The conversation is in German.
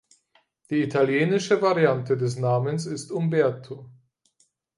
Die italienische Variante des Namens ist Umberto.